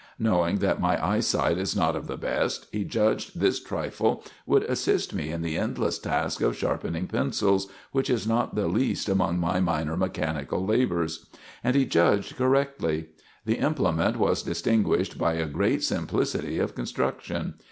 Knowing that my eyesight is not of the best, he judged this trifle would assist me in the endless task of sharpening pencils, which is not the least among my minor mechanical labours. And he judged correctly. The implement was distinguished by a great simplicity of construction.